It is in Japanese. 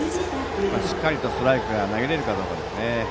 しっかりとストライクを投げられるかどうかですね。